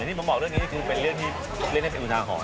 ที่ผมบอกเรื่องนี้คือเป็นเรื่องที่เล่นให้เป็นอุทาหรณ